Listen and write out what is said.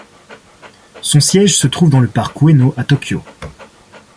Son siège se trouve dans le parc Ueno à Tokyo.